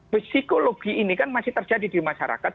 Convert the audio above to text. psikologi ini kan masih terjadi di masyarakat